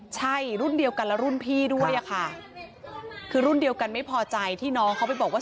ใช่รุ่นเดียวกันและรุ่นพี่ด้วยอะค่ะคือรุ่นเดียวกันไม่พอใจที่น้องเขาไปบอกว่า